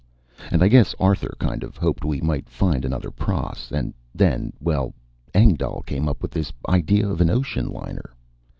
And I guess Arthur kind of hoped we might find another pross. And then well, Engdahl came up with this idea of an ocean liner.